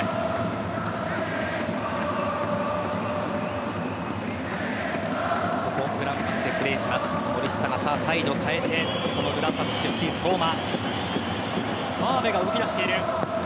名古屋グランパスでプレーをする森下がサイドを変えてグランパス出身・相馬。